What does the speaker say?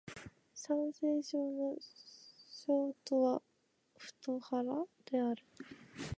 山西省の省都は太原である